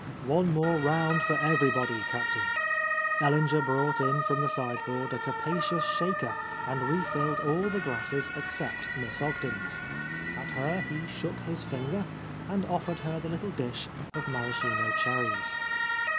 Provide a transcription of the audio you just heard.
"One more round for everybody. Captain." Ellinger brought in from the sideboard a capa cious shaker and refilled all the glasses except Miss Ogden's. At her he shook his finger, and offered her the little dish of Maraschino cherries.